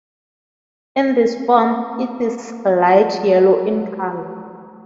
In this form, it is light yellow in color.